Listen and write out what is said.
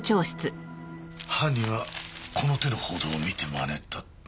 犯人はこの手の報道を見て真似た。